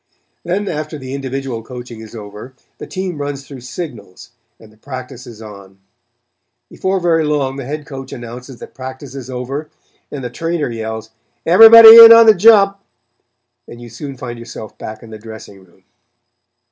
Then after the individual coaching is over, the team runs through signals, and the practice is on. Before very long the head coach announces that practice is over, and the trainer yells: "Everybody in on the jump," and you soon find yourself back in the dressing room.